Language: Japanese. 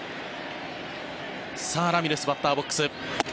さあ、ラミレスバッターボックス。